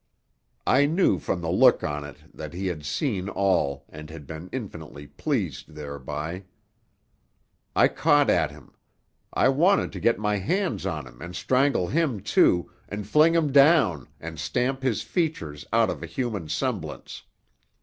I knew from the look on it that he had seen all and had been infinitely pleased thereby. I caught at him; I wanted to get my hands on him and strangle him, too, and fling him down, and stamp his features out of human semblance.